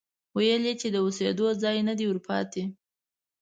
ويل يې چې د اوسېدو ځای نه دی ورپاتې،